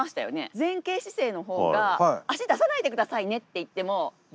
前傾姿勢の方が足出さないで下さいねって言っても。